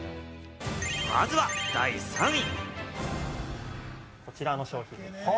まずは第３位。